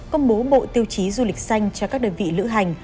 công bố bộ tiêu chí du lịch xanh cho các đơn vị lữ hành